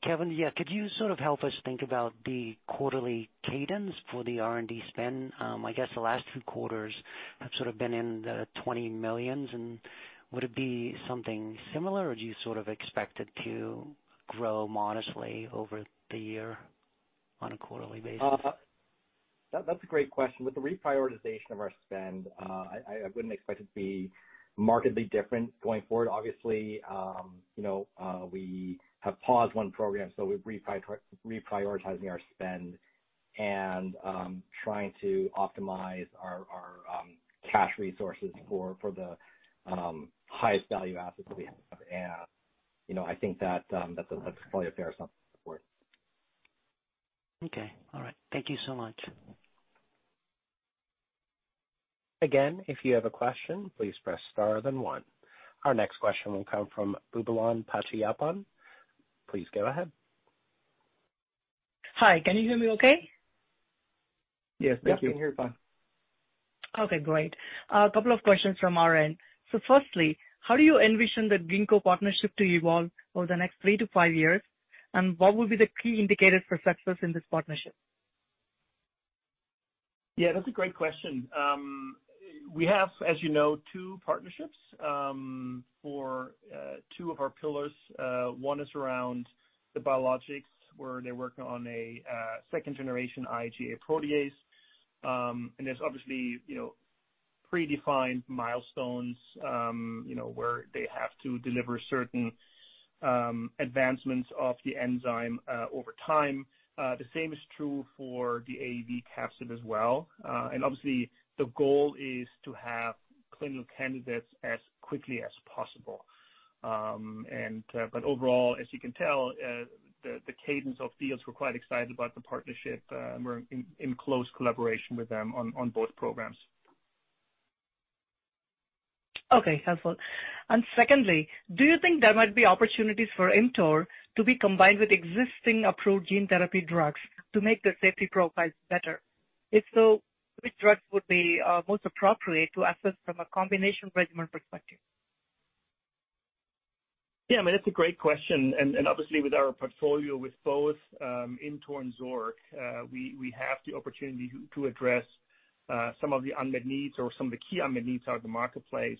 Kevin, yeah, could you sort of help us think about the quarterly cadence for the R&D spend? I guess the last two quarters have sort of been in the $20 million, and would it be something similar, or do you sort of expect it to grow modestly over the year on a quarterly basis? That's a great question. With the reprioritization of our spend, I wouldn't expect it to be markedly different going forward. Obviously, you know, we have paused one program, so we're reprioritizing our spend and trying to optimize our cash resources for the highest value assets we have. You know, I think that's probably a fair assumption going forward. Okay. All right. Thank you so much. Again, if you have a question, please press star then one. Our next question will come from Boobalan Pachaiyappan. Please go ahead. Hi. Can you hear me okay? Yes. Thank you. Yes, we can hear you fine. Okay, great. A couple of questions from our end. Firstly, how do you envision the Ginkgo partnership to evolve over the next three to five years? And what will be the key indicators for success in this partnership? Yeah, that's a great question. We have, as you know, two partnerships for two of our pillars. One is around the biologics, where they're working on a second generation IgA protease. And there's obviously, you know, predefined milestones, you know, where they have to deliver certain advancements of the enzyme over time. The same is true for the AAV capsid as well. And obviously the goal is to have clinical candidates as quickly as possible. But overall, as you can tell, the cadence of deals, we're quite excited about the partnership, and we're in close collaboration with them on both programs. Okay. Helpful. Secondly, do you think there might be opportunities for ImmTOR to be combined with existing approved gene therapy drugs to make the safety profiles better? If so, which drugs would be most appropriate to assess from a combination regimen perspective? Yeah, I mean, that's a great question. Obviously with our portfolio with both ImmTOR and Xork, we have the opportunity to address some of the unmet needs or some of the key unmet needs out of the marketplace.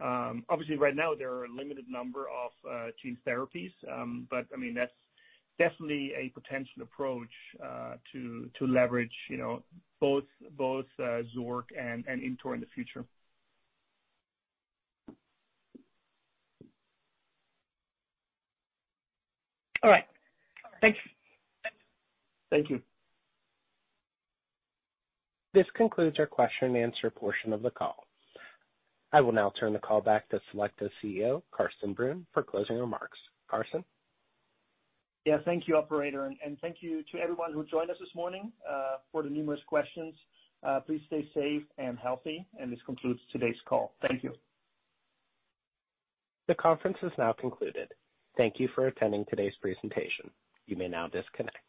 Obviously right now there are a limited number of gene therapies. I mean, that's definitely a potential approach to leverage you know both Xork and ImmTOR in the future. All right. Thanks. Thank you. This concludes our question and answer portion of the call. I will now turn the call back to Selecta CEO, Carsten Brunn, for closing remarks. Carsten? Yeah, thank you, operator, and thank you to everyone who joined us this morning for the numerous questions. Please stay safe and healthy. This concludes today's call. Thank you. The conference is now concluded. Thank you for attending today's presentation. You may now disconnect.